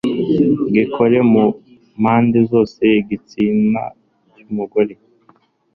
gikore mu mpande zose z'igitsina cy'umugore